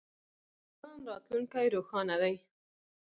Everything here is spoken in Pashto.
د ایران راتلونکی روښانه دی.